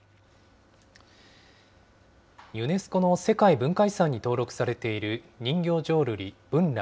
ユネスコの世界文化遺産に登録されている人形浄瑠璃・文楽。